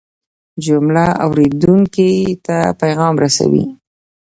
جمله اورېدونکي ته پیغام رسوي.